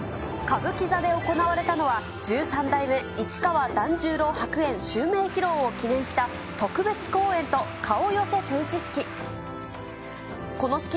歌舞伎座で行われたのは、十三代目市川團十郎白猿襲名披露を記念した特別公演と顔寄せ手打式。